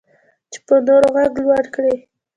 چې په نورو غږ لوړ کړي.